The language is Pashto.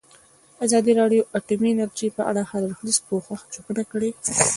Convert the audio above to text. ازادي راډیو د اټومي انرژي په اړه د هر اړخیز پوښښ ژمنه کړې.